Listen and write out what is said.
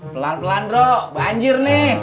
pelan pelan rok banjir nih